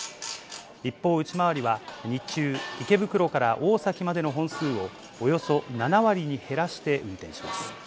一方、内回りは日中、池袋から大崎までの本数を、およそ７割に減らして運転します。